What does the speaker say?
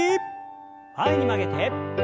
前に曲げて。